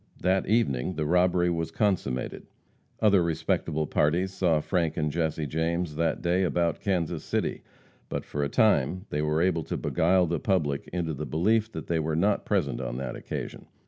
That evening the robbery was consummated. Other respectable parties saw Frank and Jesse James that day about Kansas City, but for a time they were able to beguile the public into the belief that they were not present on that occasion.